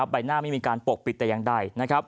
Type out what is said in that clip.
ใบหน้าไม่มีการปกปิดแต่อย่างใด